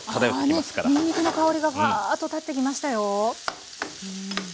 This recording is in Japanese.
にんにくの香りがふぁっとたってきましたよ。